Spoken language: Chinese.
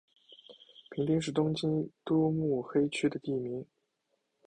平町是东京都目黑区的地名。